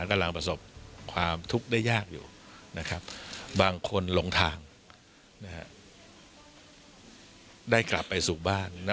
กำลังประสบความทุกข์ได้ยากอยู่บางคนหลงทางได้กลับไปสู่บ้าน